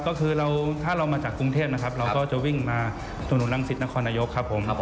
ก็คือถ้าเรามาจากกรุงเทพนะครับเราก็จะวิ่งมาหนุนรังสิทธิ์นครนายกครับผม